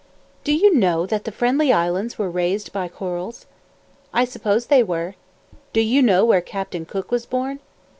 "Do you know that the Friendly Islands were raised by corals?" "I suppose they were." "Do you know where Captain Cook was born?"